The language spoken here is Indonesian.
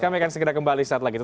kami akan segera kembali setelah itu